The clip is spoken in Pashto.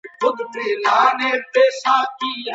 ولي زیارکښ کس د مستحق سړي په پرتله بریا خپلوي؟